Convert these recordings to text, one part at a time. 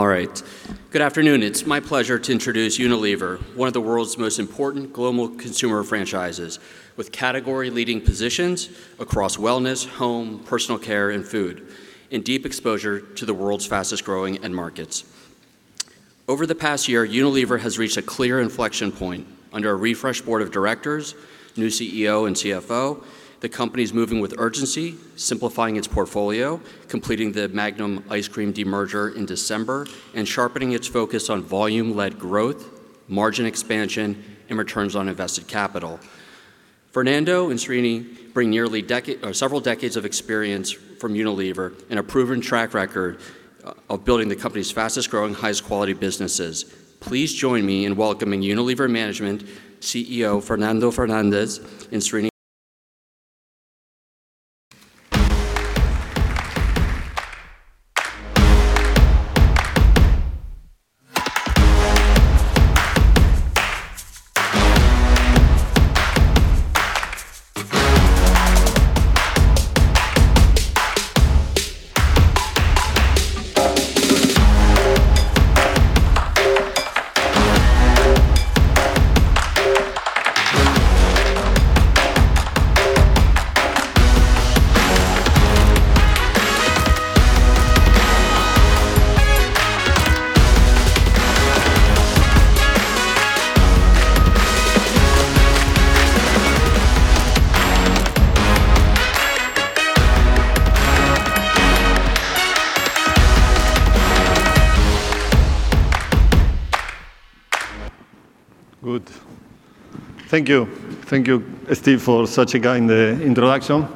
All right. Good afternoon. It's my pleasure to introduce Unilever, one of the world's most important global consumer franchises, with category-leading positions across wellness, Home, Personal Care, and Food, and deep exposure to the world's fastest-growing end markets. Over the past year, Unilever has reached a clear inflection point under a refreshed Board of Directors, new CEO, and CFO. The company's moving with urgency, simplifying its portfolio, completing the Magnum ice cream demerger in December, and sharpening its focus on volume-led growth, margin expansion, and returns on invested capital. Fernando and Srini bring nearly decade, several decades of experience from Unilever and a proven track record of building the company's fastest-growing, highest-quality businesses. Please join me in welcoming Unilever management, CEO Fernando Fernandez and Srini. Good. Thank you. Thank you, Steve, for such a kind introduction,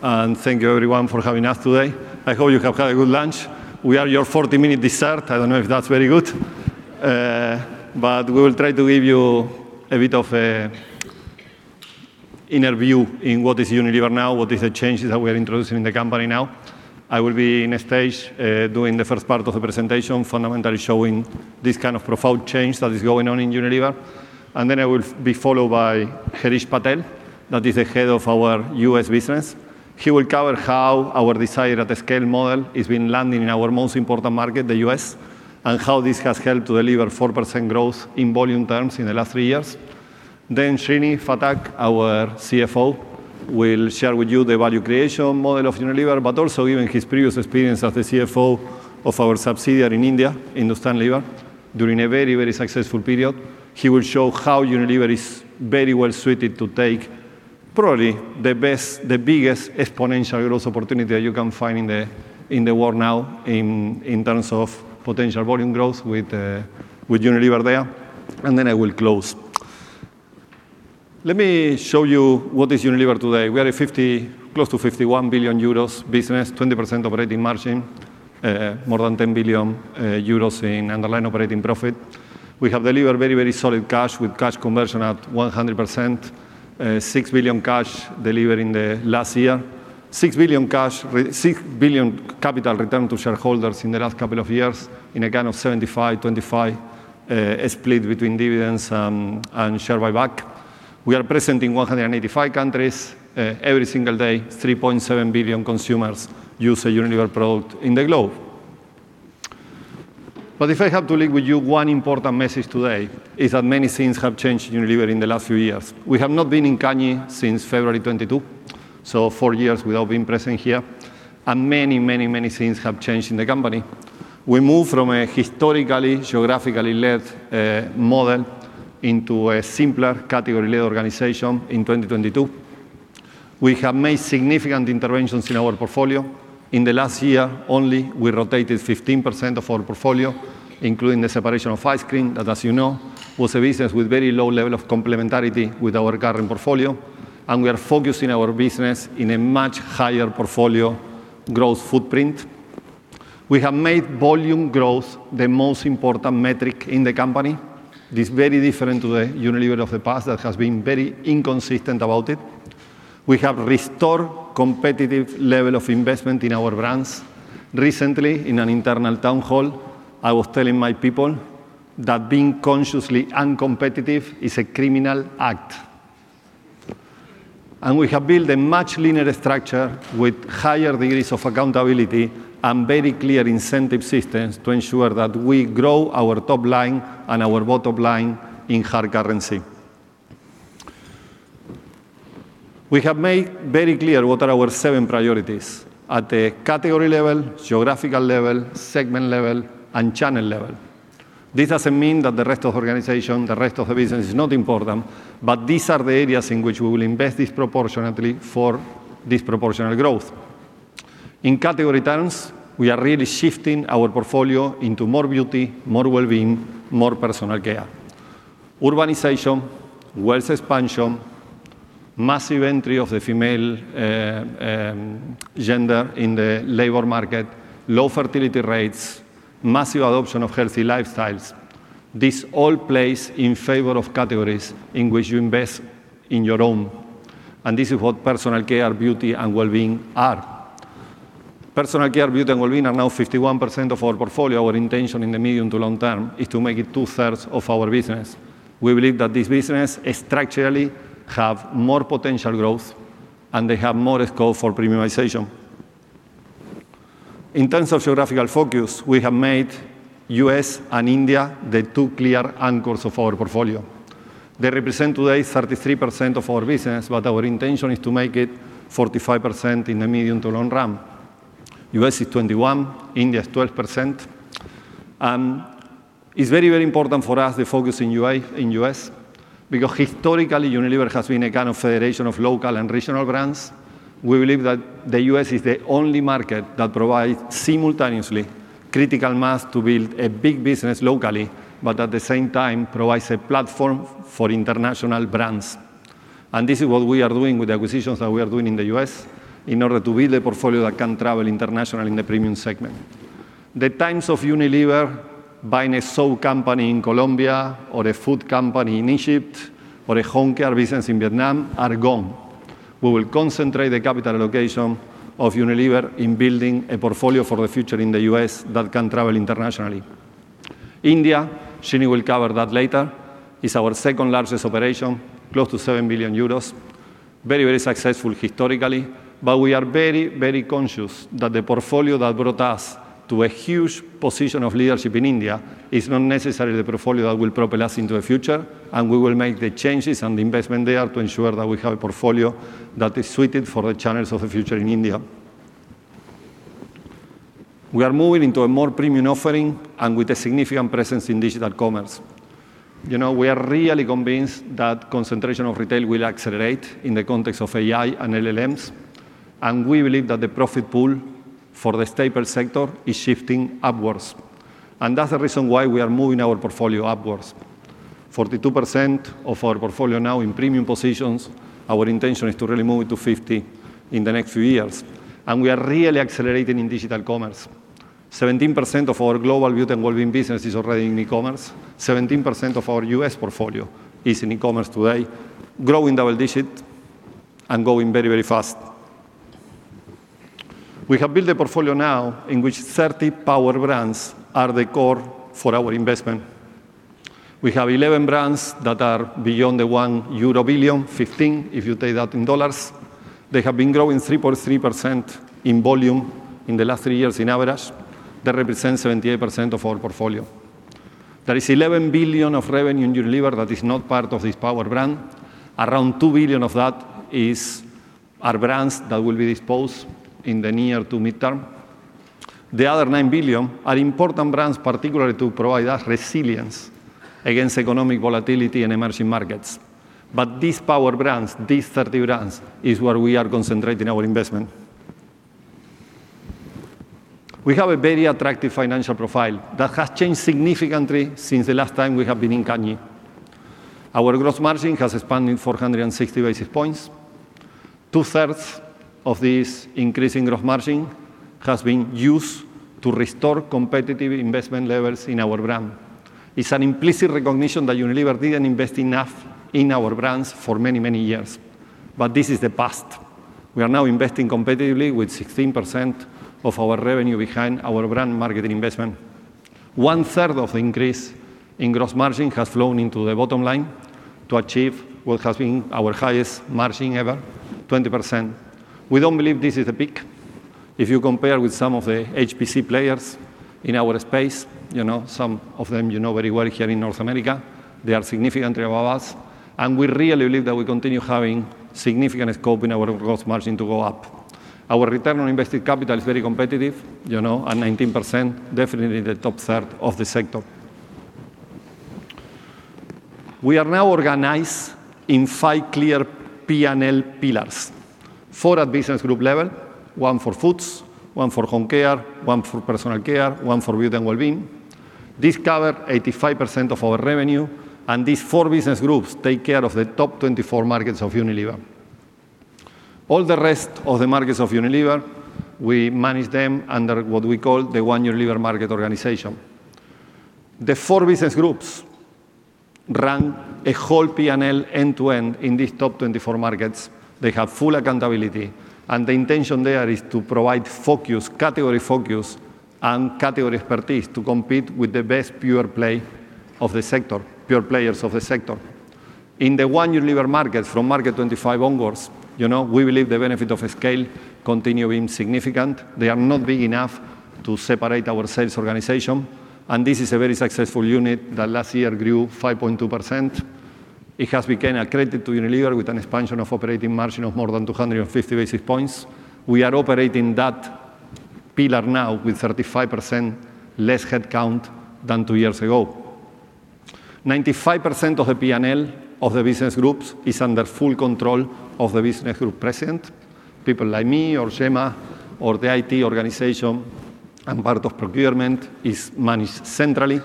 and thank you, everyone, for having us today. I hope you have had a good lunch. We are your 40-minute dessert. I don't know if that's very good, but we will try to give you a bit of an overview in what is Unilever now, what is the changes that we are introducing in the company now. I will be on stage doing the first part of the presentation, fundamentally showing this kind of profound change that is going on in Unilever, and then I will be followed by Herrish Patel, that is the Head of our U.S. business. He will cover how our desire at scale model is being landed in our most important market, the U.S., and how this has helped to deliver 4% growth in volume terms in the last three years. Then Srinivas Phatak, our CFO, will share with you the value creation model of Unilever, but also giving his previous experience as the CFO of our subsidiary in India, Hindustan Unilever, during a very, very successful period. He will show how Unilever is very well suited to take probably the best, the biggest exponential growth opportunity that you can find in the, in the world now in, in terms of potential volume growth with, with Unilever there, and then I will close. Let me show you what is Unilever today. We are a 50, close to 51 billion euros business, 20% operating margin, more than 10 billion euros in underlying operating profit. We have delivered very, very solid cash, with cash conversion at 100%. 6 billion cash delivered in the last year. 6 billion capital return to shareholders in the last couple of years in a 75-25 split between dividends and share buyback. We are present in 185 countries. Every single day, 3.7 billion consumers use a Unilever product in the globe. But if I have to leave with you one important message today, it's that many things have changed in Unilever in the last few years. We have not been in CAGNY since February 2022, so four years without being present here, and many, many, many things have changed in the company. We moved from a historically, geographically-led model into a simpler, category-led organization in 2022. We have made significant interventions in our portfolio. In the last year only, we rotated 15% of our portfolio, including the separation of ice cream, that, as you know, was a business with very low level of complementarity with our current portfolio, and we are focusing our business in a much higher portfolio growth footprint. We have made volume growth the most important metric in the company. This is very different to the Unilever of the past that has been very inconsistent about it. We have restored competitive level of investment in our brands. Recently, in an internal town hall, I was telling my people that being consciously uncompetitive is a criminal act. We have built a much leaner structure with higher degrees of accountability and very clear incentive systems to ensure that we grow our top line and our bottom line in hard currency. We have made very clear what are our seven priorities at the category level, geographical level, segment level, and channel level. This doesn't mean that the rest of the organization, the rest of the business, is not important, but these are the areas in which we will invest disproportionately for disproportional growth. In category terms, we are really shifting our portfolio into more beauty, more well-being, more Personal Care. Urbanization, wealth expansion, massive entry of the female gender in the labor market, low fertility rates, massive adoption of healthy lifestyles, this all plays in favor of categories in which you invest in your own, and this is what Personal Care, Beauty & Wellbeing are. Personal care, Beauty & Wellbeing are now 51% of our portfolio. Our intention in the medium to long term is to make it two-thirds of our business. We believe that this business structurally have more potential growth and they have more scope for premiumization. In terms of geographical focus, we have made U.S. and India the two clear anchors of our portfolio. They represent today 33% of our business, but our intention is to make it 45% in the medium to long run. U.S. is 21, India is 12%. It's very, very important for us to focus in U.S., because historically, Unilever has been a kind of federation of local and regional brands. We believe that the U.S. is the only market that provides simultaneously critical mass to build a big business locally, but at the same time, provides a platform for international brands. This is what we are doing with the acquisitions that we are doing in the U.S. in order to build a portfolio that can travel internationally in the premium segment. The times of Unilever buying a soap company in Colombia or a food company in Egypt or a home care business in Vietnam are gone. We will concentrate the capital allocation of Unilever in building a portfolio for the future in the U.S. that can travel internationally. India, Srini will cover that later, is our second largest operation, close to 7 billion euros. Very, very successful historically, but we are very, very conscious that the portfolio that brought us to a huge position of leadership in India is not necessarily the portfolio that will propel us into the future, and we will make the changes and the investment there to ensure that we have a portfolio that is suited for the channels of the future in India. We are moving into a more premium offering and with a significant presence in digital commerce. You know, we are really convinced that concentration of retail will accelerate in the context of AI and LLMs, and we believe that the profit pool for the staple sector is shifting upwards, and that's the reason why we are moving our portfolio upwards. 42% of our portfolio now in premium positions, our intention is to really move it to 50 in the next few years, and we are really accelerating in digital commerce. 17% of our global Beauty & Wellbeing business is already in e-commerce. 17% of our U.S. portfolio is in e-commerce today, growing double-digit and growing very, very fast. We have built a portfolio now in which 30 Power brands are the core for our investment. We have 11 brands that are beyond the 1 billion euro, 15, if you take that in dollars. They have been growing 3.3% in volume in the last three years on average. That represents 78% of our portfolio. There is 11 billion of revenue in Unilever that is not part of this Power brand. Around 2 billion of that is, are brands that will be disposed in the near- to midterm. The other 9 billion are important brands, particularly to provide us resilience against economic volatility in emerging markets. But these power brands, these 30 brands, is where we are concentrating our investment. We have a very attractive financial profile that has changed significantly since the last time we have been in Cannes. Our gross margin has expanded 460 basis points. Two-thirds of this increasing gross margin has been used to restore competitive investment levels in our brand. It's an implicit recognition that Unilever didn't invest enough in our brands for many, many years, but this is the past. We are now investing competitively with 16% of our revenue behind our brand marketing investment. One-third of the increase in gross margin has flown into the bottom line to achieve what has been our highest margin ever, 20%. We don't believe this is the peak. If you compare with some of the HPC players in our space, you know, some of them you know very well here in North America, they are significantly above us, and we really believe that we continue having significant scope in our gross margin to go up. Our return on invested capital is very competitive, you know, at 19%, definitely the top third of the sector. We are now organized in five clear P&L pillars, four at business group level, one for Foods, one for Home Care, one for Personal Care, one for Beauty & Wellbeing. These cover 85% of our revenue, and these four business groups take care of the top 24 markets of Unilever. All the rest of the markets of Unilever, we manage them under what we call the One Unilever Market Organization. The four business groups run a whole P&L end-to-end in these top 24 markets. They have full accountability, and the intention there is to provide focus, category focus, and category expertise to compete with the best pure play of the sector, pure players of the sector. In the One Unilever market, from market 25 onwards, you know, we believe the benefit of scale continue being significant. They are not big enough to separate our sales organization, and this is a very successful unit that last year grew 5.2%. It has become accredited to Unilever with an expansion of operating margin of more than 250 basis points. We are operating that pillar now with 35% less headcount than two years ago. 95% of the P&L of the business groups is under full control of the business group president. People like me or Jemma or the IT organization, and part of procurement is managed centrally,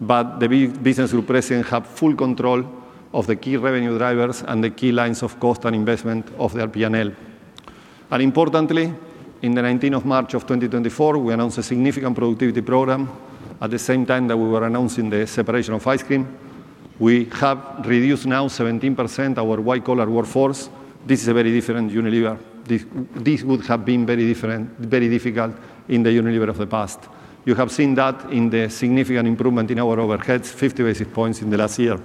but the business group president have full control of the key revenue drivers and the key lines of cost and investment of their P&L. And importantly, in the nineteenth of March of 2024, we announced a significant productivity program at the same time that we were announcing the separation of ice cream. We have reduced now 17% our white-collar workforce. This is a very different Unilever. This, this would have been very different, very difficult in the Unilever of the past. You have seen that in the significant improvement in our overheads, 50 basis points in the last year.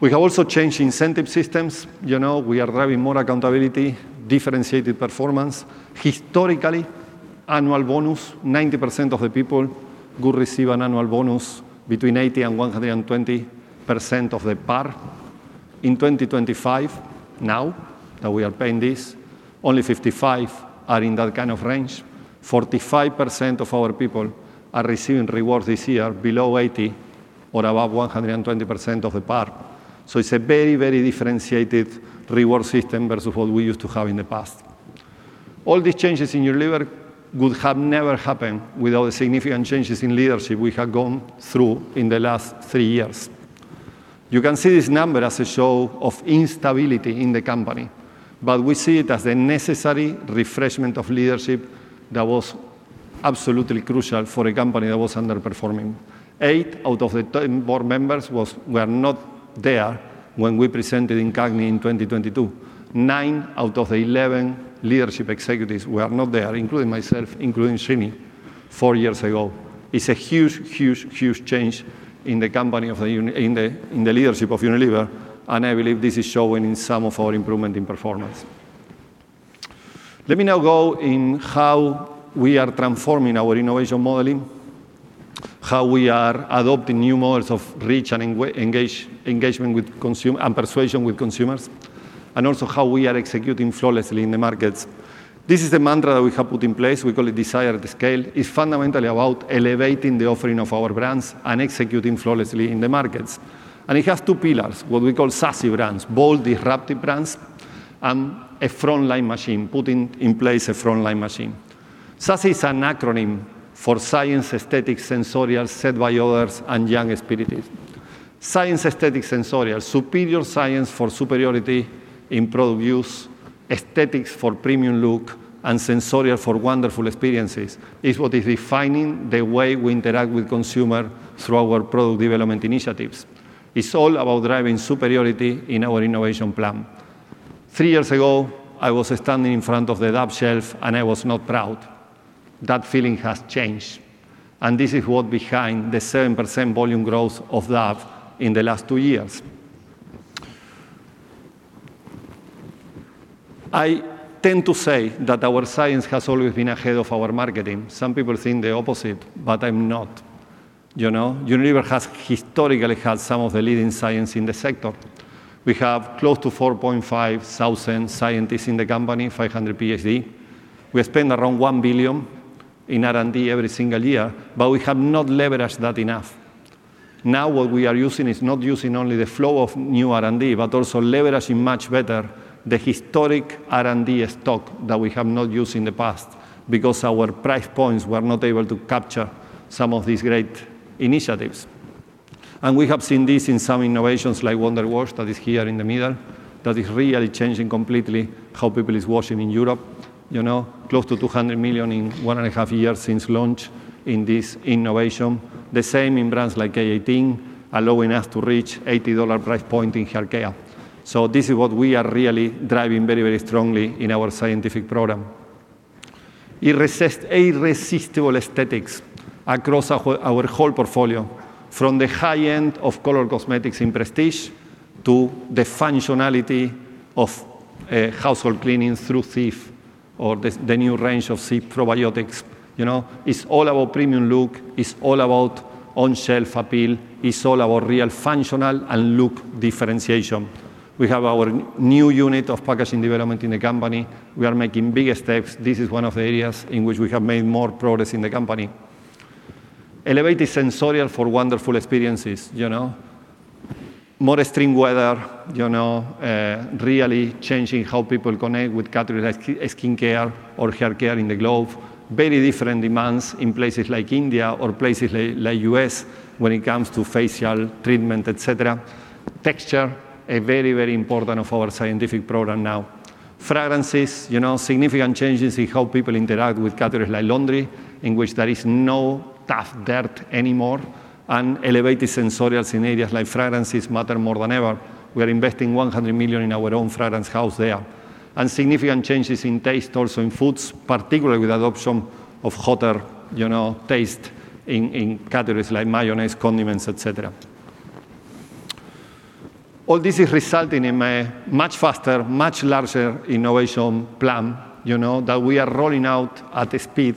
We have also changed incentive systems. You know, we are driving more accountability, differentiated performance. Historically, annual bonus, 90% of the people could receive an annual bonus between 80%-120% of the par. In 2025, now that we are paying this, only 55 are in that kind of range. 45% of our people are receiving rewards this year below 80% or above 120% of the par. So it's a very, very differentiated reward system versus what we used to have in the past. All these changes in Unilever would have never happened without the significant changes in leadership we have gone through in the last three years. You can see this number as a show of instability in the company, but we see it as a necessary refreshment of leadership that was absolutely crucial for a company that was underperforming. 8 out of the 10 board members were not there when we presented in CAGNY in 2022. 9 out of the 11 leadership executives were not there, including myself, including Srini, four years ago. It's a huge, huge, huge change in the company, in the leadership of Unilever, and I believe this is showing in some of our improvement in performance. Let me now go in how we are transforming our innovation modeling, how we are adopting new models of reach and engagement with consumers, and persuasion with consumers, and also how we are executing flawlessly in the markets. This is the mantra that we have put in place. We call it Desire at Scale. It's fundamentally about elevating the offering of our brands and executing flawlessly in the markets. It has two pillars, what we call SASE brands, bold, disruptive brands, and a frontline machine, putting in place a frontline machine. SASE is an acronym for science, aesthetics, sensorial, said by others, and young spirits. Science, aesthetics, sensorial, superior science for superiority in product use, aesthetics for premium look, and sensorial for wonderful experiences, is what is defining the way we interact with consumer through our product development initiatives. It's all about driving superiority in our innovation plan. Three years ago, I was standing in front of the Dove shelf, and I was not proud. That feeling has changed, and this is what behind the 7% volume growth of Dove in the last two years. I tend to say that our science has always been ahead of our marketing. Some people think the opposite, but I'm not, you know? Unilever has historically had some of the leading science in the sector. We have close to 4,500 scientists in the company, 500 Ph.D.s. We spend around 1 billion in R&D every single year, but we have not leveraged that enough. Now, what we are using is not using only the flow of new R&D, but also leveraging much better the historic R&D stock that we have not used in the past because our price points were not able to capture some of these great initiatives. We have seen this in some innovations like Wonder Wash, that is here in the middle, that is really changing completely how people is washing in Europe, you know. Close to 200 million in one and a half years since launch in this innovation. The same in brands like K18, allowing us to reach $80 price point in haircare. So this is what we are really driving very, very strongly in our scientific program. Irresistible aesthetics across our whole portfolio, from the high end of color cosmetics in prestige, to the functionality of household cleaning through Cif or the new range of C probiotics. You know, it's all about premium look, it's all about on-shelf appeal, it's all about real functional and look differentiation. We have our new unit of packaging development in the company. We are making big steps. This is one of the areas in which we have made more progress in the company. Elevated sensorial for wonderful experiences, you know. More extreme weather, you know, really changing how people connect with categories like skincare or haircare in the globe. Very different demands in places like India or places like, like U.S. when it comes to facial treatment, et cetera. Texture, a very, very important of our scientific program now. Fragrances, you know, significant changes in how people interact with categories like laundry, in which there is no tough dirt anymore, and elevated sensorials in areas like fragrances matter more than ever. We are investing 100 million in our own fragrance house there. And significant changes in taste, also in Foods, particularly with adoption of hotter, you know, taste in, in categories like mayonnaise, condiments, et cetera. All this is resulting in a much faster, much larger innovation plan, you know, that we are rolling out at a speed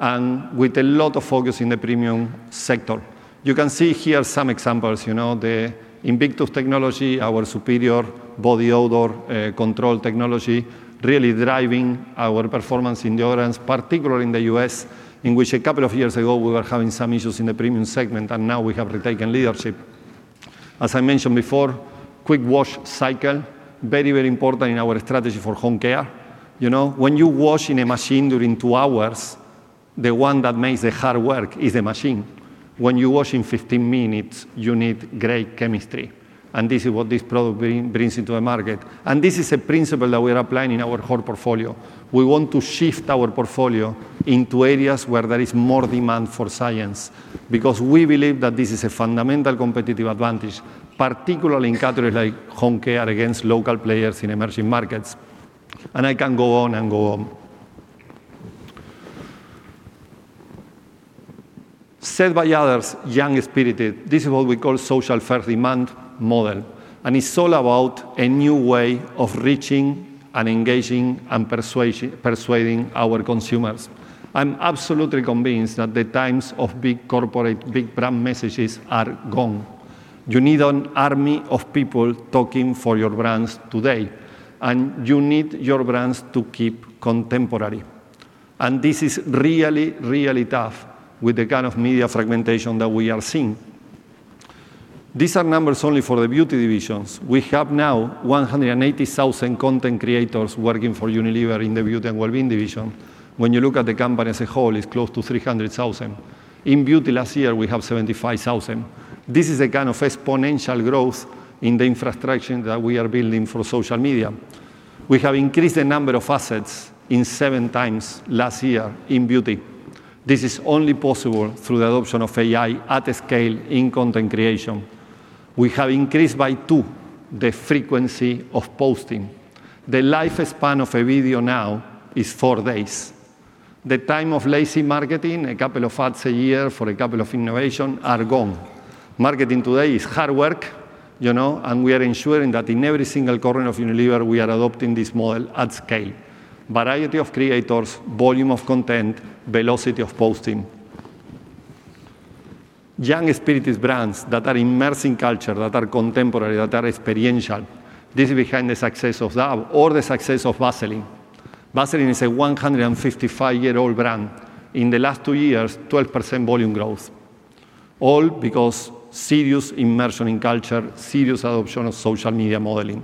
and with a lot of focus in the premium sector. You can see here some examples, you know, the Invictus technology, our superior body odor control technology, really driving our performance in deodorants, particularly in the U.S., in which a couple of years ago, we were having some issues in the premium segment, and now we have retaken leadership. As I mentioned before, quick wash cycle, very, very important in our strategy for home care. You know, when you wash in a machine during two hours, the one that makes the hard work is the machine. When you wash in 15 minutes, you need great chemistry, and this is what this product bring, brings into the market. And this is a principle that we are applying in our whole portfolio. We want to shift our portfolio into areas where there is more demand for science, because we believe that this is a fundamental competitive advantage, particularly in categories like home care against local players in emerging markets. I can go on and go on, said by others, young spirited. This is what we call social first demand model, and it's all about a new way of reaching and engaging and persuading our consumers. I'm absolutely convinced that the times of big corporate, big brand messages are gone. You need an army of people talking for your brands today, and you need your brands to keep contemporary. This is really, really tough with the kind of media fragmentation that we are seeing. These are numbers only for the beauty divisions. We have now 180,000 content creators working for Unilever in the Beauty & Wellbeing division. When you look at the company as a whole, it's close to 300,000. In beauty last year, we have 75,000. This is a kind of exponential growth in the infrastructure that we are building for social media. We have increased the number of assets 7x last year in beauty. This is only possible through the adoption of AI at scale in content creation. We have increased by two the frequency of posting. The lifespan of a video now is four days. The time of lazy marketing, a couple of ads a year for a couple of innovation, are gone. Marketing today is hard work, you know, and we are ensuring that in every single corner of Unilever, we are adopting this model at scale. Variety of creators, volume of content, velocity of posting. Young spirited brands that are immersing culture, that are contemporary, that are experiential. This is behind the success of Dove or the success of Vaseline. Vaseline is a 155-year-old brand. In the last two years, 12% volume growth, all because serious immersion in culture, serious adoption of social media modeling.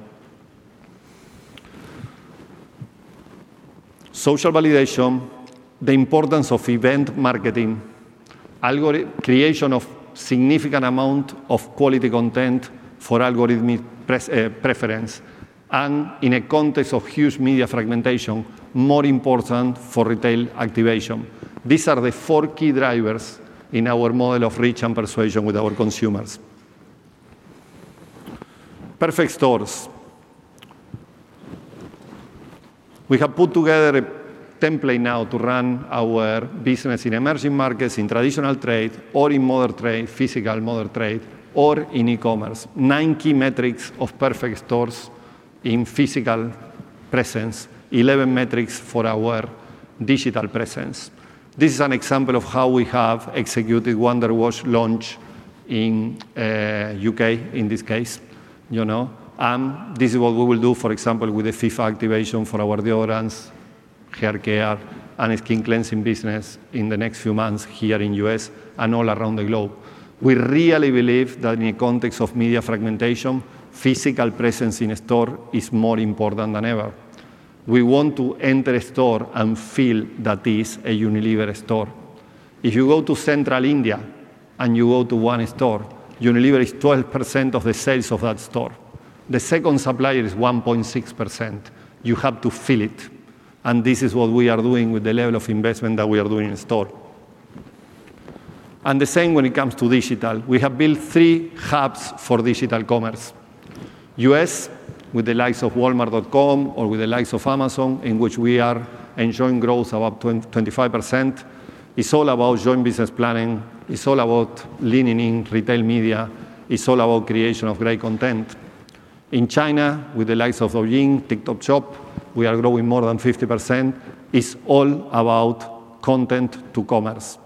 Social validation, the importance of event marketing, creation of significant amount of quality content for algorithmic preference, and in a context of huge media fragmentation, more important for retail activation. These are the four key drivers in our model of reach and persuasion with our consumers. Perfect Stores. We have put together a template now to run our business in emerging markets, in traditional trade or in modern trade, physical modern trade, or in e-commerce. Nine key metrics of Perfect Stores in physical presence, 11 metrics for our digital presence. This is an example of how we have executed Wonder Wash launch in U.K., in this case, you know, and this is what we will do, for example, with the FIFA activation for our deodorants, hair care, and skin cleansing business in the next few months here in U.S. and all around the globe. We really believe that in the context of media fragmentation, physical presence in a store is more important than ever. We want to enter a store and feel that it's a Unilever store. If you go to central India and you go to one store, Unilever is 12% of the sales of that store. The second supplier is 1.6%. You have to feel it, and this is what we are doing with the level of investment that we are doing in store. And the same when it comes to digital. We have built three hubs for digital commerce. U.S., with the likes of Walmart.com or with the likes of Amazon, in which we are enjoying growth of up to 25%. It's all about joint business planning. It's all about leaning in retail media. It's all about creation of great content. In China, with the likes of Douyin, TikTok Shop, we are growing more than 50%. It's all about content to commerce.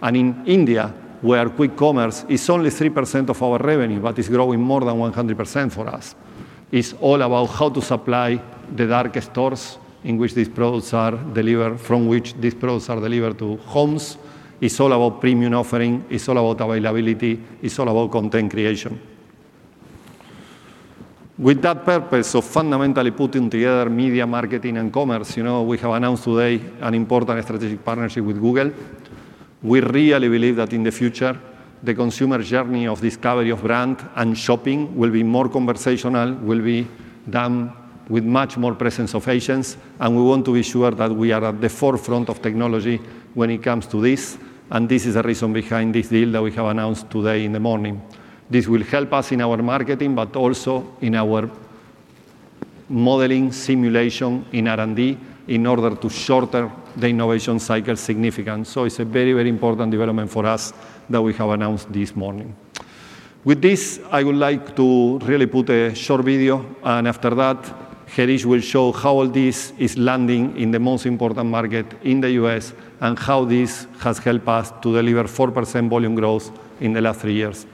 And in India, where quick commerce is only 3% of our revenue, but it's growing more than 100% for us, it's all about how to supply the dark stores in which these products are delivered, from which these products are delivered to homes. It's all about premium offering. It's all about availability. It's all about content creation. With that purpose of fundamentally putting together media, marketing, and commerce, you know, we have announced today an important strategic partnership with Google. We really believe that in the future, the consumer journey of discovery of brand and shopping will be more conversational, will be done with much more presence of agents, and we want to be sure that we are at the forefront of technology when it comes to this, and this is the reason behind this deal that we have announced today in the morning. This will help us in our marketing, but also in our modeling simulation in R&D, in order to shorten the innovation cycle significant. So it's a very, very important development for us that we have announced this morning. With this, I would like to really put a short video, and after that, Herrish will show how all this is landing in the most important market in the U.S. and how this has helped us to deliver 4% volume growth in the last three years.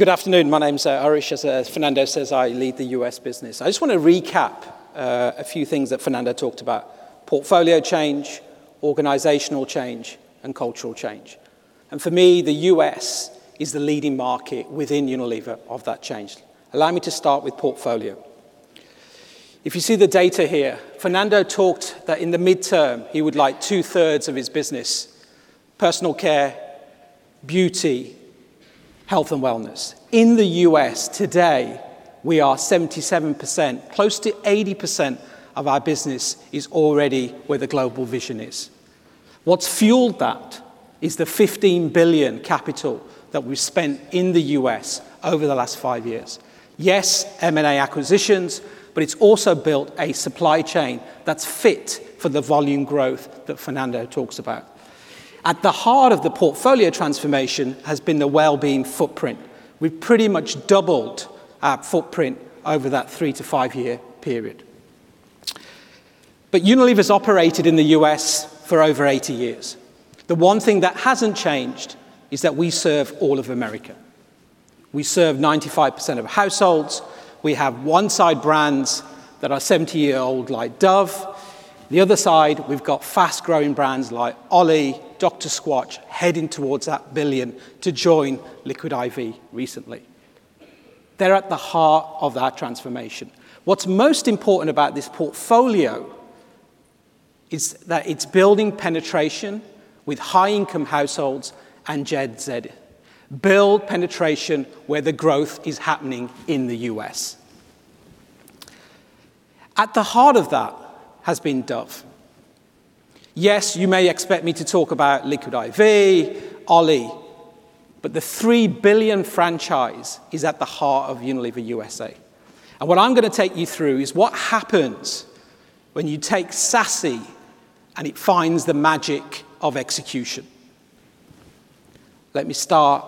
Hey, good afternoon. My name's Herrish. As Fernando says, I lead the U.S. business. I just want to recap a few things that Fernando talked about: portfolio change, organizational change, and cultural change. For me, the U.S. is the leading market within Unilever of that change. Allow me to start with portfolio. If you see the data here, Fernando talked that in the midterm, he would like two-thirds of his business, Personal Care, Beauty, Health, and Wellness. In the U.S. today, we are 77%, close to 80% of our business is already where the global vision is. What's fueled that is the $15 billion capital that we've spent in the U.S. over the last five years. Yes, M&A acquisitions, but it's also built a supply chain that's fit for the volume growth that Fernando talks about. At the heart of the portfolio transformation has been the well-being footprint. We've pretty much doubled our footprint over that three to five year period. But Unilever's operated in the U.S. for over 80 years. The one thing that hasn't changed is that we serve all of America. We serve 95% of households. We have one side brands that are 70-year-old, like Dove. The other side, we've got fast-growing brands like OLLY, Dr. Squatch, heading towards that billion to join Liquid IV recently. They're at the heart of that transformation. What's most important about this portfolio is that it's building penetration with high-income households and Gen Z. Build penetration where the growth is happening in the U.S. At the heart of that has been Dove. Yes, you may expect me to talk about Liquid IV, OLLY, but the $3 billion franchise is at the heart of Unilever U.S.A. What I'm going to take you through is what happens when you take SASSY, and it finds the magic of execution. Let me start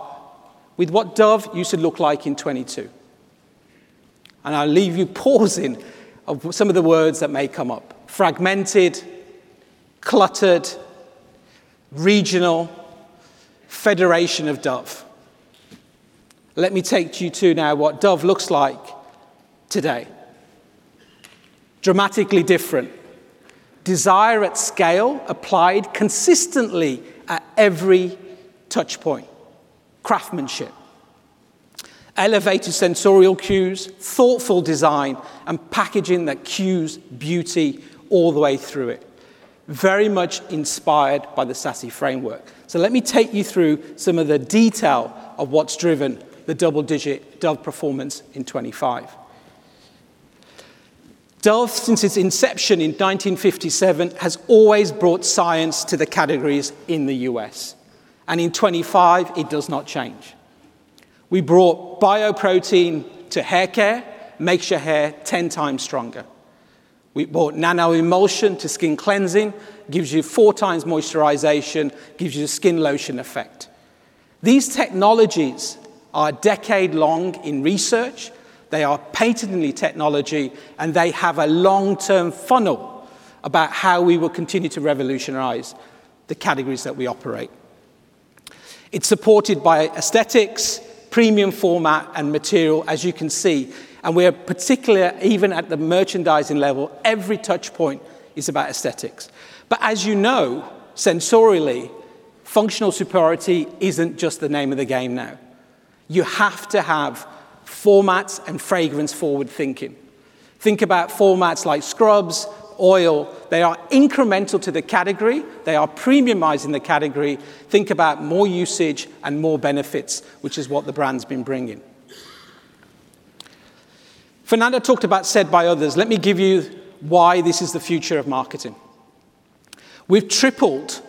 with what Dove used to look like in 2022, and I'll leave you pausing of some of the words that may come up. Fragmented, cluttered, regional, federation of Dove. Let me take you to now what Dove looks like today. Dramatically different. Desire at Scale, applied consistently at every touch point, craftsmanship, elevated sensorial cues, thoughtful design, and packaging that cues beauty all the way through it, very much inspired by the SASSY framework. Let me take you through some of the detail of what's driven the double-digit Dove performance in 2025. Dove, since its inception in 1957, has always brought science to the categories in the U.S., and in 2025, it does not change. We brought bio protein to hair care, makes your hair 10x stronger. We brought nanoemulsion to skin cleansing, gives you 4x moisturization, gives you a skin lotion effect. These technologies are decade long in research, they are patented technology, and they have a long-term funnel about how we will continue to revolutionize the categories that we operate. It's supported by aesthetics, premium format, and material, as you can see, and we are particular, even at the merchandising level, every touch point is about aesthetics. But as you know, sensorially, functional superiority isn't just the name of the game now. You have to have formats and fragrance-forward thinking. Think about formats like scrubs, oil. They are incremental to the category. They are premiumizing the category. Think about more usage and more benefits, which is what the brand's been bringing. Fernando talked about said by others. Let me give you why this is the future of marketing. We've tripled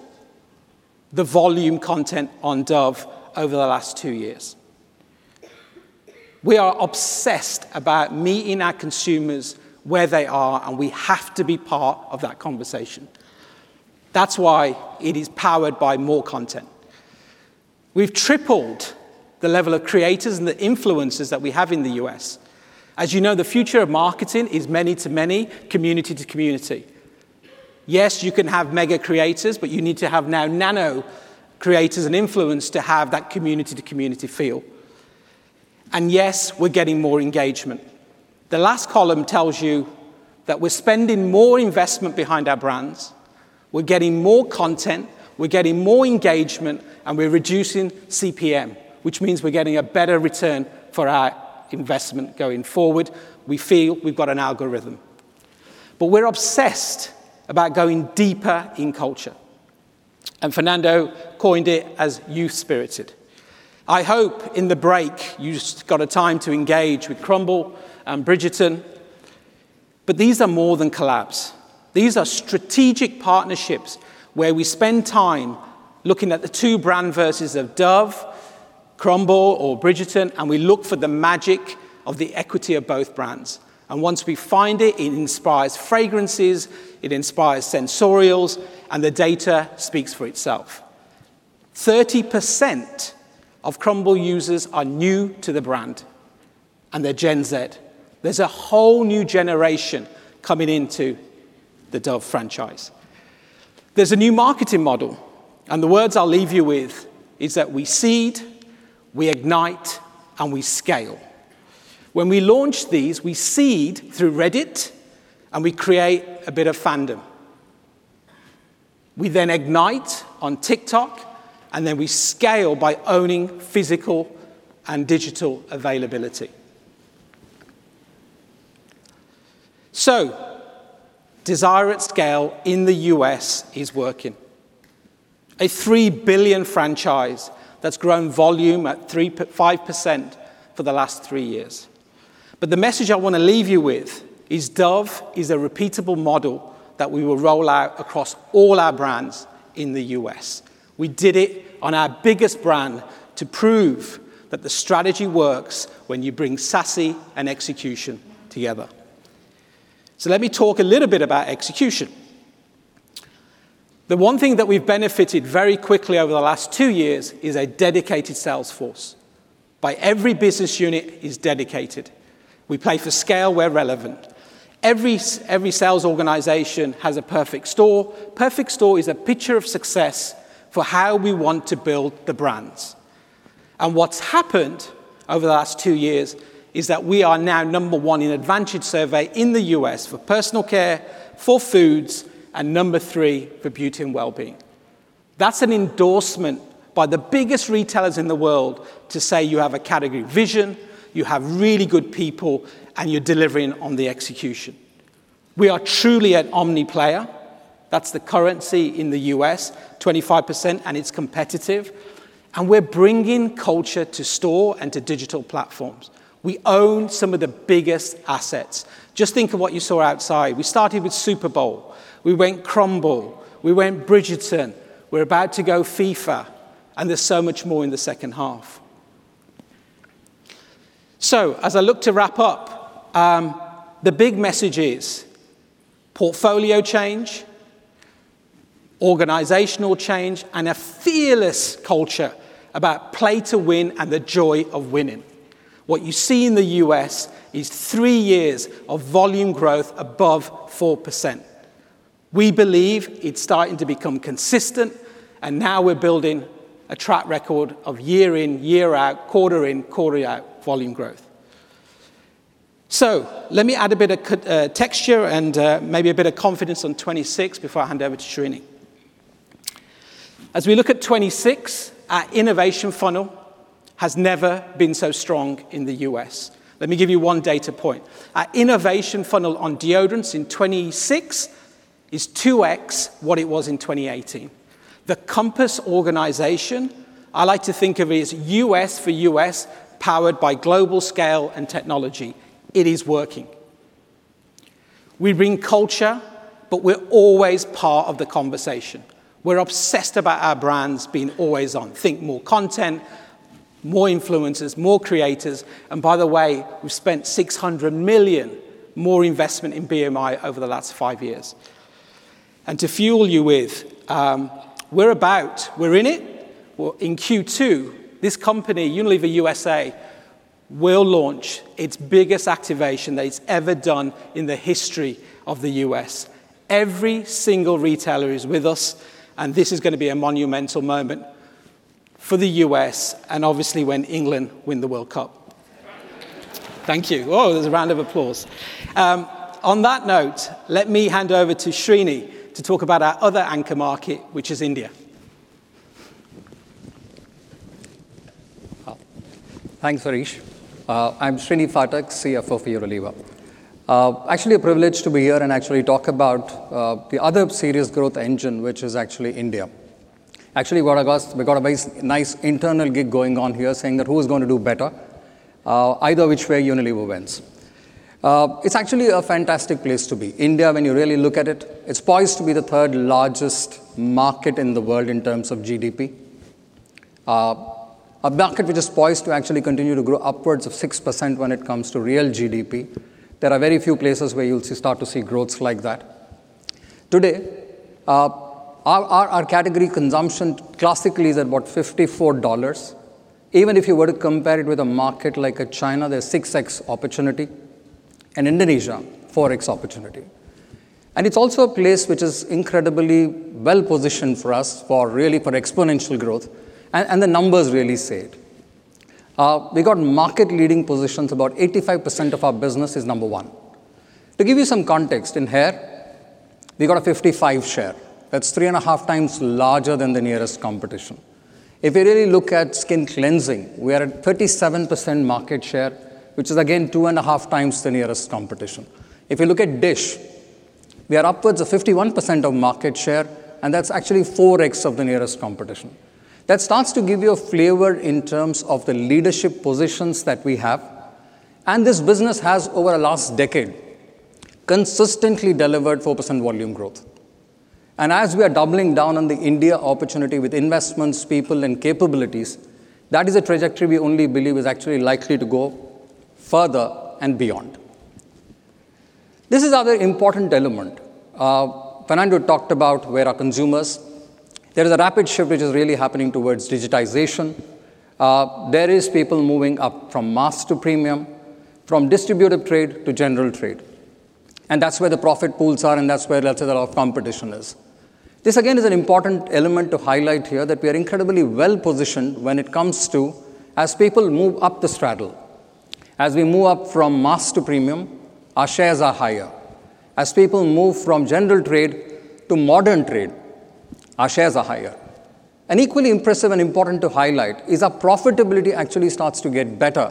the volume content on Dove over the last two years. We are obsessed about meeting our consumers where they are, and we have to be part of that conversation. That's why it is powered by more content. We've tripled the level of creators and the influencers that we have in the U.S. As you know, the future of marketing is many to many, community to community. Yes, you can have mega creators, but you need to have now nano creators and influence to have that community-to-community feel. And yes, we're getting more engagement. The last column tells you that we're spending more investment behind our brands, we're getting more content, we're getting more engagement, and we're reducing CPM, which means we're getting a better return for our investment going forward. We feel we've got an algorithm. But we're obsessed about going deeper in culture, and Fernando coined it as youth-spirited. I hope in the break, you just got a time to engage with Crumbl and Bridgerton, but these are more than collabs. These are strategic partnerships where we spend time looking at the two brand universes of Dove, Crumbl, or Bridgerton, and we look for the magic of the equity of both brands. And once we find it, it inspires fragrances, it inspires sensorials, and the data speaks for itself. 30% of Crumbl users are new to the brand, and they're Gen Z. There's a whole new generation coming into the Dove franchise…. There's a new marketing model, and the words I'll leave you with is that we seed, we ignite, and we scale. When we launch these, we seed through Reddit, and we create a bit of fandom. We then ignite on TikTok, and then we scale by owning physical and digital availability. So Desire at Scale in the U.S. is working. A $3 billion franchise that's grown volume at 3%-5% for the last three years. But the message I want to leave you with is Dove is a repeatable model that we will roll out across all our brands in the U.S. We did it on our biggest brand to prove that the strategy works when you bring SASSY and execution together. So let me talk a little bit about execution. The one thing that we've benefited very quickly over the last two years is a dedicated sales force, by every business unit is dedicated. We play for scale where relevant. Every sales organization has a Perfect Store. Perfect Store is a picture of success for how we want to build the brands, and what's happened over the last two years is that we are now number one in Advantage Survey in the U.S. for Personal Care, for Foods, and number three for Beauty & Wellbeing. That's an endorsement by the biggest retailers in the world to say, "You have a category vision, you have really good people, and you're delivering on the execution." We are truly an omni player. That's the currency in the U.S., 25%, and it's competitive, and we're bringing culture to store and to digital platforms. We own some of the biggest assets. Just think of what you saw outside. We started with Super Bowl, we went Crumbl, we went Bridgerton, we're about to go FIFA, and there's so much more in the second half. So as I look to wrap up, the big message is portfolio change, organizational change, and a fearless culture about play to win and the joy of winning. What you see in the U.S. is three years of volume growth above 4%. We believe it's starting to become consistent, and now we're building a track record of year in, year out, quarter in, quarter out volume growth. So let me add a bit of texture and maybe a bit of confidence on 2026 before I hand over to Srini. As we look at 2026, our innovation funnel has never been so strong in the U.S. Let me give you one data point. Our innovation funnel on deodorants in 2026 is 2x what it was in 2018. The compass organization, I like to think of it as U.S. for U.S., powered by global scale and technology. It is working. We bring culture, but we're always part of the conversation. We're obsessed about our brands being always on. Think more content, more influencers, more creators, and by the way, we've spent $600 million more investment in BMI over the last five years. And to fuel you with, we're about. We're in it. Well, in Q2, this company, Unilever U.S.A, will launch its biggest activation that it's ever done in the history of the U.S. Every single retailer is with us, and this is gonna be a monumental moment for the U.S., and obviously, when England win the World Cup. Thank you. Oh, there's a round of applause. On that note, let me hand over to Srini to talk about our other anchor market, which is India. Thanks, Herrish. I'm Srinivas Phatak, CFO for Unilever. Actually a privilege to be here and actually talk about the other serious growth engine, which is actually India. Actually, what I got, we got a nice internal gig going on here, saying that who is going to do better? Either which way, Unilever wins. It's actually a fantastic place to be. India, when you really look at it, it's poised to be the third largest market in the world in terms of GDP. A market which is poised to actually continue to grow upwards of 6% when it comes to real GDP. There are very few places where you'll see, start to see growth like that. Today, our category consumption classically is about $54. Even if you were to compare it with a market like China, there's 6x opportunity, and Indonesia, 4x opportunity. And it's also a place which is incredibly well-positioned for us for really for exponential growth, and, and the numbers really say it. We got market-leading positions. About 85% of our business is number one. To give you some context, in hair, we got a 55% share. That's 3.5 times larger than the nearest competition. If you really look at skin cleansing, we are at 37% market share, which is again, 2.5 times the nearest competition. If you look at dish, we are upwards of 51% of market share, and that's actually 4x of the nearest competition. That starts to give you a flavor in terms of the leadership positions that we have, and this business has, over the last decade, consistently delivered 4% volume growth. As we are doubling down on the India opportunity with investments, people, and capabilities, that is a trajectory we only believe is actually likely to go further and beyond. This is other important element. Fernando talked about where our consumers. There is a rapid shift which is really happening towards digitization. There is people moving up from mass to premium, from distributive trade to general trade, and that's where the profit pools are, and that's where a lot of the competition is. This, again, is an important element to highlight here, that we are incredibly well-positioned when it comes to as people move up the ladder, as we move up from mass to premium, our shares are higher. As people move from general trade to modern trade, our shares are higher. Equally impressive and important to highlight is our profitability actually starts to get better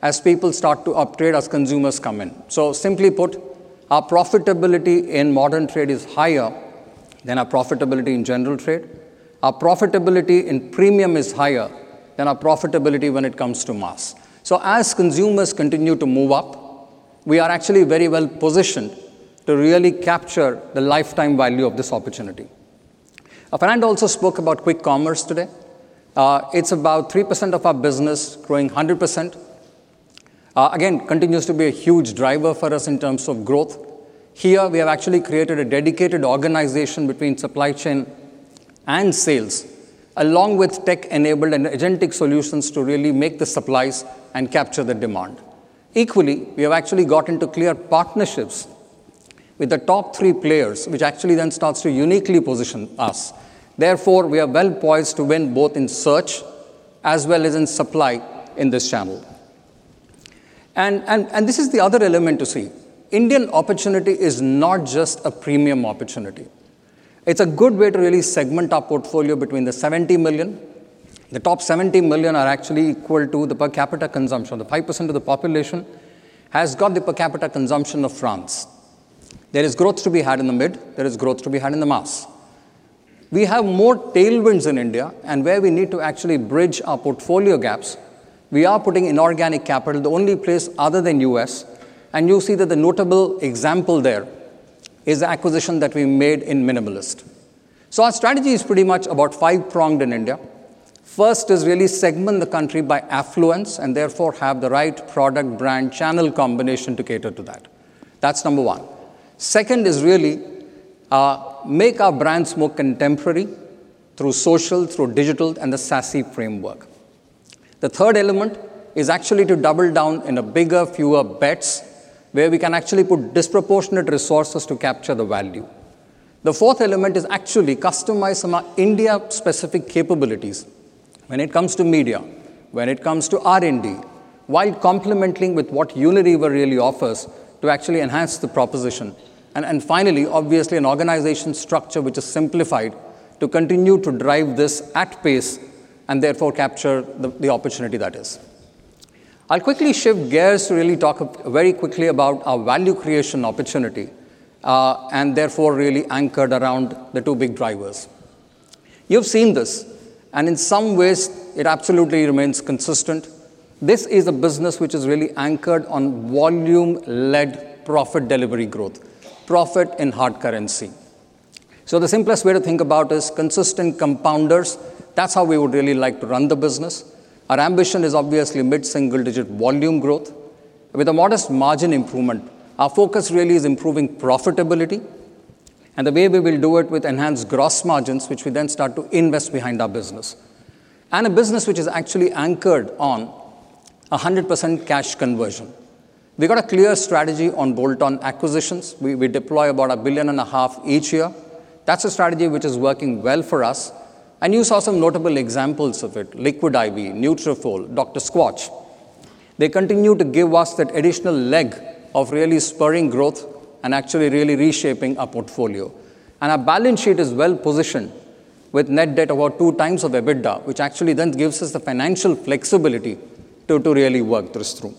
as people start to upgrade, as consumers come in. So simply put, our profitability in modern trade is higher than our profitability in general trade. Our profitability in premium is higher than our profitability when it comes to mass. So as consumers continue to move up, we are actually very well positioned to really capture the lifetime value of this opportunity. Aparna also spoke about quick commerce today. It's about 3% of our business growing 100%. Again, continues to be a huge driver for us in terms of growth. Here, we have actually created a dedicated organization between supply chain and sales, along with tech-enabled and agentic solutions, to really make the supplies and capture the demand. Equally, we have actually got into clear partnerships with the top three players, which actually then starts to uniquely position us. Therefore, we are well poised to win both in search as well as in supply in this channel. This is the other element to see: Indian opportunity is not just a premium opportunity. It's a good way to really segment our portfolio between the 70 million. The top 70 million are actually equal to the per capita consumption. The 5% of the population has got the per capita consumption of France. There is growth to be had in the mid, there is growth to be had in the mass. We have more tailwinds in India, and where we need to actually bridge our portfolio gaps, we are putting in organic capital, the only place other than U.S., and you'll see that the notable example there is the acquisition that we made in Minimalist. So our strategy is pretty much about five-pronged in India. First is really segment the country by affluence, and therefore have the right product, brand, channel combination to cater to that. That's number one. Second is really, make our brands more contemporary through social, through digital, and the SASSY framework. The third element is actually to double down in a bigger, fewer bets, where we can actually put disproportionate resources to capture the value. The fourth element is actually customize some India-specific capabilities when it comes to media, when it comes to R&D, while complementing with what Unilever really offers to actually enhance the proposition. And finally, obviously, an organization structure which is simplified to continue to drive this at pace, and therefore capture the opportunity that is. I'll quickly shift gears to really talk very quickly about our value creation opportunity, and therefore really anchored around the two big drivers. You've seen this, and in some ways, it absolutely remains consistent. This is a business which is really anchored on volume-led profit delivery growth, profit in hard currency. So the simplest way to think about is consistent compounders. That's how we would really like to run the business. Our ambition is obviously mid-single-digit volume growth with a modest margin improvement. Our focus really is improving profitability, and the way we will do it with enhanced gross margins, which we then start to invest behind our business. A business which is actually anchored on 100% cash conversion. We've got a clear strategy on bolt-on acquisitions. We deploy about 1.5 billion each year. That's a strategy which is working well for us, and you saw some notable examples of it: Liquid IV, Nutrafol, Dr. Squatch. They continue to give us that additional leg of really spurring growth and actually really reshaping our portfolio. Our balance sheet is well-positioned with net debt about 2x EBITDA, which actually then gives us the financial flexibility to really work this through.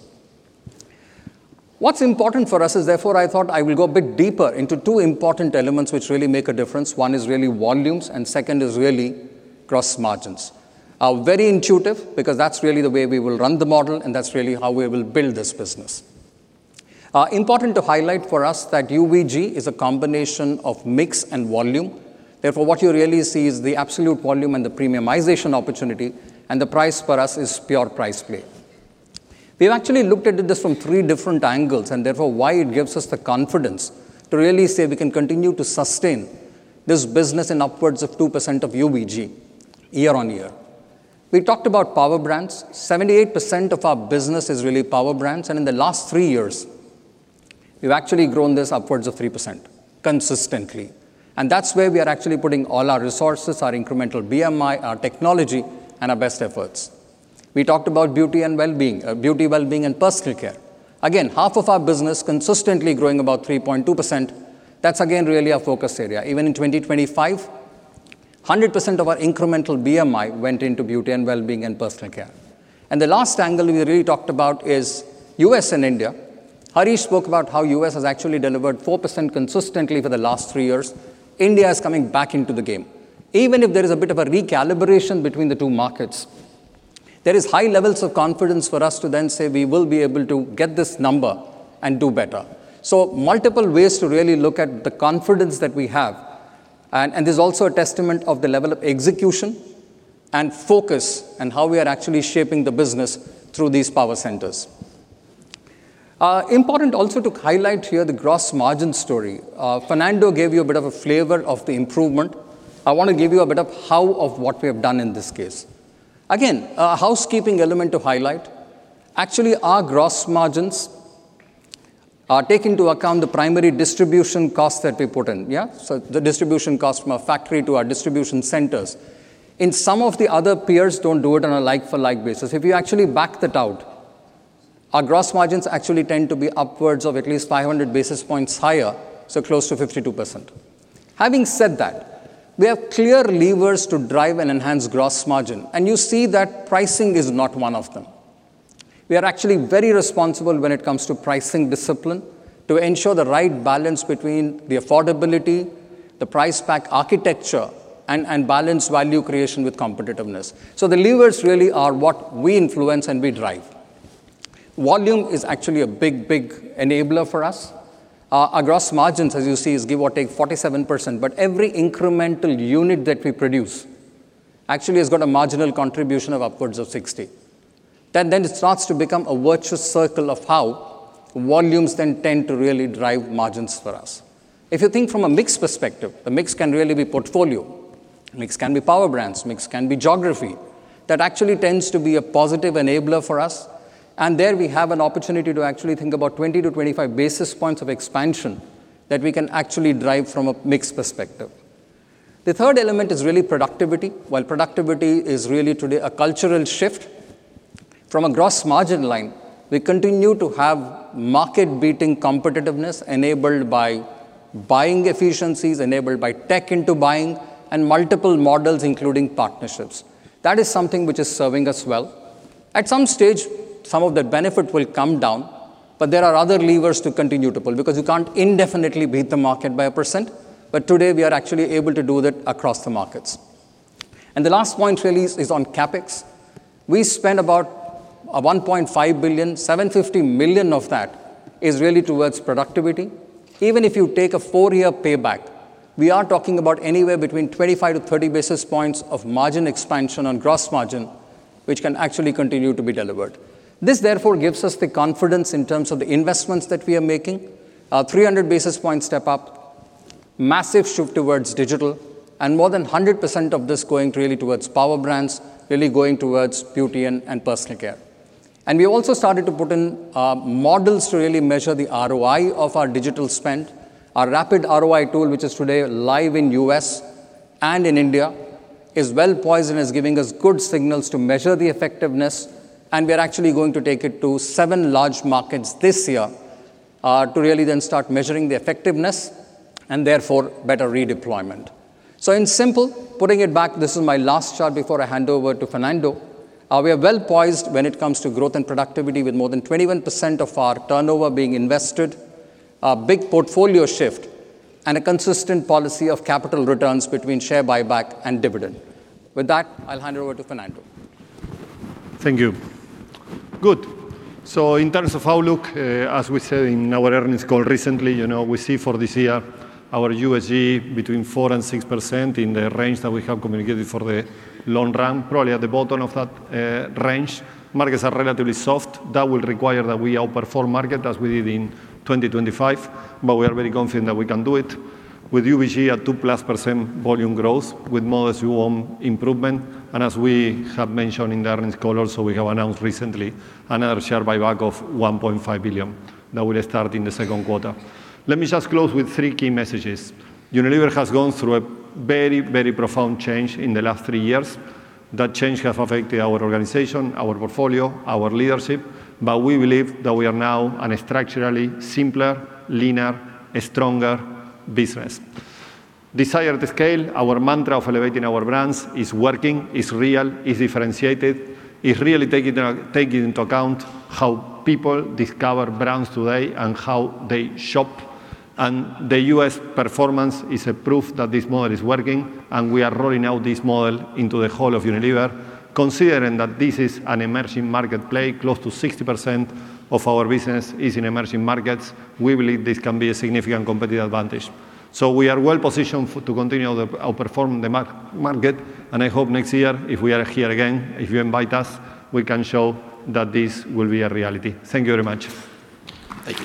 What's important for us is, therefore, I thought I will go a bit deeper into two important elements which really make a difference. One is really volumes, and second is really gross margins. Very intuitive, because that's really the way we will run the model, and that's really how we will build this business. Important to highlight for us that UVG is a combination of mix and volume. Therefore, what you really see is the absolute volume and the premiumization opportunity, and the price for us is pure price play. We've actually looked at this from three different angles, and therefore why it gives us the confidence to really say we can continue to sustain this business in upwards of 2% of UVG year-on-year. We talked about power brands. 78% of our business is really power brands, and in the last three years, we've actually grown this upwards of 3% consistently, and that's where we are actually putting all our resources, our incremental BMI, our technology, and our best efforts. We talked about Beauty & Wellbeing, Beauty & Wellbeing, and Personal Care. Again, half of our business consistently growing about 3.2%. That's again, really our focus area. Even in 2025, 100% of our incremental BMI went into Beauty & Wellbeing and Personal Care. The last angle we really talked about is U.S. and India. Herrish spoke about how U.S. has actually delivered 4% consistently for the last three years. India is coming back into the game. Even if there is a bit of a recalibration between the two markets, there is high levels of confidence for us to then say we will be able to get this number and do better. So multiple ways to really look at the confidence that we have, and, and there's also a testament of the level of execution and focus, and how we are actually shaping the business through these power centers. Important also to highlight here the gross margin story. Fernando gave you a bit of a flavor of the improvement. I want to give you a bit of how of what we have done in this case. Again, a housekeeping element to highlight, actually, our gross margins are taking into account the primary distribution costs that we put in. Yeah, so the distribution cost from our factory to our distribution centers, and some of the other peers don't do it on a like-for-like basis. If you actually back that out, our gross margins actually tend to be upwards of at least 500 basis points higher, so close to 52%. Having said that, we have clear levers to drive and enhance gross margin, and you see that pricing is not one of them. We are actually very responsible when it comes to pricing discipline to ensure the right balance between the affordability, the price pack architecture, and balanced value creation with competitiveness. So the levers really are what we influence and we drive. Volume is actually a big, big enabler for us. Our gross margins, as you see, is give or take 47%, but every incremental unit that we produce actually has got a marginal contribution of upwards of 60. Then it starts to become a virtuous circle of how volumes then tend to really drive margins for us. If you think from a mix perspective, the mix can really be portfolio, mix can be power brands, mix can be geography. That actually tends to be a positive enabler for us, and there we have an opportunity to actually think about 20-25 basis points of expansion that we can actually drive from a mix perspective. The third element is really productivity. While productivity is really today a cultural shift, from a gross margin line, we continue to have market-beating competitiveness enabled by buying efficiencies, enabled by tech into buying, and multiple models, including partnerships. That is something which is serving us well. At some stage, some of that benefit will come down, but there are other levers to continue to pull because you can't indefinitely beat the market by 1%. But today, we are actually able to do that across the markets. And the last point really is on CapEx. We spend about 1.5 billion, 750 million of that is really towards productivity. Even if you take a four-year payback, we are talking about anywhere between 25-30 basis points of margin expansion on gross margin, which can actually continue to be delivered. This, therefore, gives us the confidence in terms of the investments that we are making. A 300 basis point step up, massive shift towards digital, and more than 100% of this going really towards Power Brands, really going towards Beauty and Personal Care. We also started to put in, models to really measure the ROI of our digital spend. Our RAPID ROI tool, which is today live in U.S. and in India, is well poised and is giving us good signals to measure the effectiveness, and we are actually going to take it to seven large markets this year, to really then start measuring the effectiveness and therefore better redeployment. So in simple, putting it back, this is my last chart before I hand over to Fernando. We are well poised when it comes to growth and productivity, with more than 21% of our turnover being invested, a big portfolio shift, and a consistent policy of capital returns between share buyback and dividend. With that, I'll hand over to Fernando. Thank you. Good. So in terms of outlook, as we said in our earnings call recently, you know, we see for this year our USG between 4%-6% in the range that we have communicated for the long run, probably at the bottom of that range. Markets are relatively soft. That will require that we outperform market as we did in 2025, but we are very confident that we can do it. With UVG at 2%+ volume growth, with modest growth improvement, and as we have mentioned in the earnings call, also we have announced recently another share buyback of 1.5 billion that will start in the second quarter. Let me just close with three key messages. Unilever has gone through a very, very profound change in the last three years. That change has affected our organization, our portfolio, our leadership, but we believe that we are now a structurally simpler, leaner, stronger business. Desire to scale, our mantra of elevating our brands is working, is real, is differentiated, is really taking into account how people discover brands today and how they shop. And the U.S. performance is a proof that this model is working, and we are rolling out this model into the whole of Unilever. Considering that this is an emerging market play, close to 60% of our business is in emerging markets, we believe this can be a significant competitive advantage. So we are well positioned to continue to outperform the market, and I hope next year, if we are here again, if you invite us, we can show that this will be a reality. Thank you very much. Thank you.